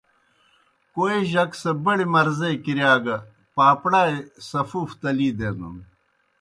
کوئی جک سہ بڑیْ مرضے کِرِیا گہ پاپڑائے سفوف تلی دینَن۔